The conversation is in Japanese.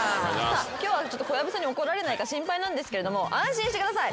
今日は小籔さんに怒られないか心配なんですけれども安心してください。